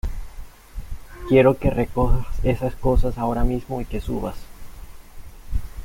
quiero que recojas esas cosas ahora mismo y que subas.